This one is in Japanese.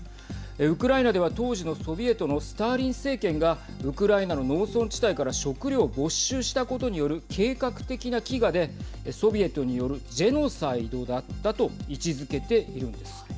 ウクライナでは当時のソビエトのスターリン政権がウクライナの農村地帯から食料を没収したことによる計画的な飢餓で、ソビエトによるジェノサイドだったと位置づけているんです。